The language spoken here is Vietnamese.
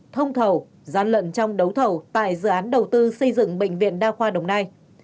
thông thầu gian lận trong đấu thầu tại dự án đầu tư xây dựng bệnh viện đa khoa đồng nai